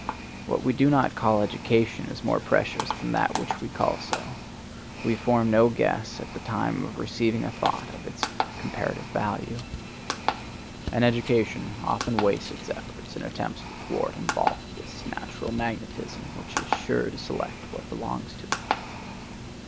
What we do not call education is more precious than that which we call so. We form no guess, at the time of receiving a thought, of its comparative value. And education often wastes its effort in attempts to thwart and balk this natural magnetism, which is sure to select what belongs to it.